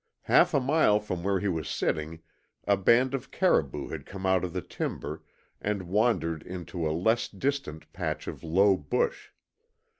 Half a mile from where he was sitting a band of caribou had come out of the timber and wandered into a less distant patch of low bush.